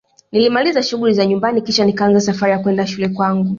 Nilimaliza shughuli za nyumbani Kisha nikaanza Safari ya kwenda shule kwangu